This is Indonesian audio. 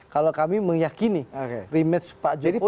kalau kami meyakini rematch pak jody